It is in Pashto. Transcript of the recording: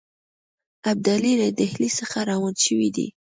ابدالي له ډهلي څخه روان شوی دی.